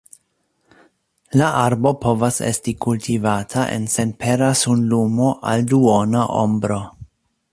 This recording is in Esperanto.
La arbo povas esti kultivata en senpera sunlumo al duona ombro.